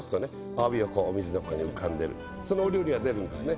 アワビがお水の中に浮かんでるそのお料理が出るんですね。